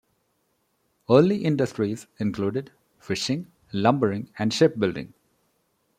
Early industries included fishing, lumbering and shipbuilding.